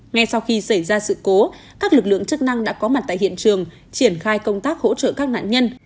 ngay sau khi xảy ra sự cố các lực lượng chức năng đã có mặt tại hiện trường triển khai công tác hỗ trợ các nạn nhân